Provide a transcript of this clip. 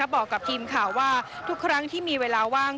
บอกกับทีมข่าวว่าทุกครั้งที่มีเวลาว่าง